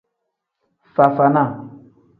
Fafana.